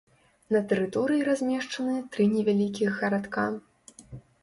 На тэрыторыі размешчаны тры невялікіх гарадка.